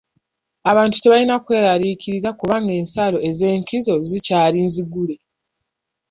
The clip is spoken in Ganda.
Abantu tebalina kweraliikirira kuba ensalo ez'enkizo zikyali nzigule.